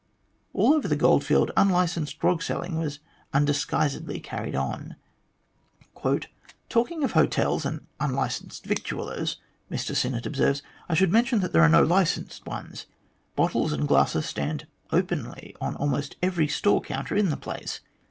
All over the goldfield unlicensed grog selling was undis guisedly carried on. "Talking of hotels and unlicensed victuallers," Mr Sinnett observes, " I should mention that there are no licensed ones. Bottles and glasses stand openly on almost every store counter in the place.